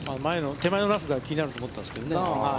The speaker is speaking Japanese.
手前のラフが気になると思ったんですけど。